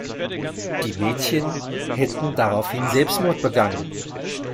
Die Mädchen hätten daraufhin Selbstmord begangen.